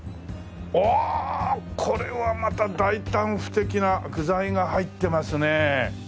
うわあこれはまた大胆不敵な具材が入ってますね。